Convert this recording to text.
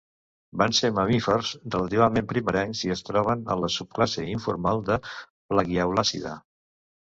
Van ser mamífers relativament primerencs i es troben en la subclasse informal de "Plagiaulacida".